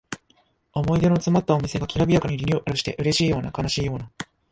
思い出のつまったお店がきらびやかにリニューアルしてうれしいような悲しいような